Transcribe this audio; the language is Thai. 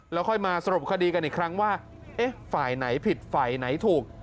แล้วค่อยมาสรบคดีกันอีกครั้งว่าไหนผิดไหนถูก